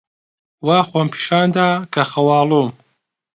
وا خۆم پیشان دا کە خەواڵووم.